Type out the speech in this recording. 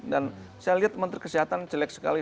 dan saya lihat menteri kesehatan jelek sekali